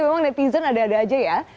memang netizen ada ada aja ya